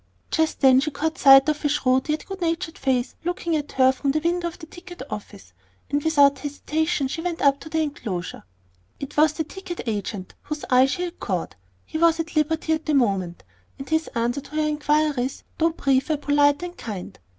Just then she caught sight of a shrewd, yet good natured face looking at her from the window of the ticket office; and without hesitation she went up to the enclosure. It was the ticket agent whose eye she had caught. He was at liberty at the moment, and his answers to her inquiries, though brief, were polite and kind.